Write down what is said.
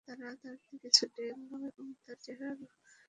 তারা তার দিকে ছুটে এল এবং তার চেহারায় মারতে লাগল।